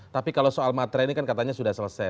tapi kalau soal matre ini kan katanya sudah selesai